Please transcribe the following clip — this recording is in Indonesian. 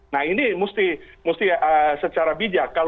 nah ini mesti secara bijak